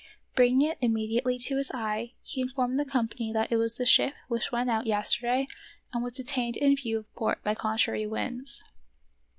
Bringing it immediately to his eye, he informed the company that it was the ship which went out yesterday and was detained in view of port by contrary winds.